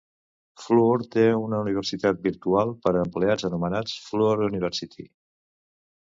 Fluor té una universitat virtual per a empleats anomenada Fluor University.